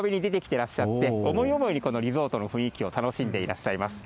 てらっしゃって、思い思いにこのリゾートの雰囲気を楽しんでいらっしゃいます。